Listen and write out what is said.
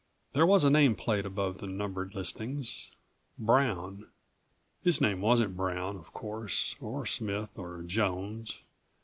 There was a name plate above the numbered listings BROWN. His name wasn't Brown, of course. Or Smith, or Jones.